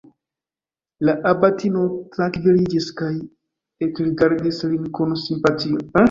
La abatino trankviliĝis kaj ekrigardis lin kun simpatio.